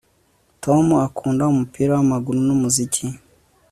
Tom akunda umupira wamaguru numuziki